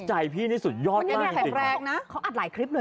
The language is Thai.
ใจพี่นี่สุดยอดล่ะนี่แหลกนะเขาอัดหลายคลิปเลย